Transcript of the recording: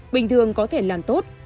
bình thường có thể làm tốt